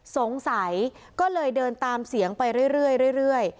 สงสัยก็เลยเดินตามเสียงไปเรื่อย